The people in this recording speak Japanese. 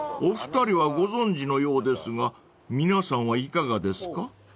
［お二人はご存じのようですが皆さんはいかがですか？］